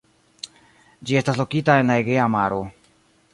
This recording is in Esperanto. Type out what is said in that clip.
Ĝi estas lokita en la Egea Maro.